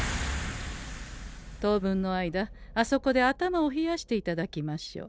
当分の間あそこで頭を冷やしていただきましょう。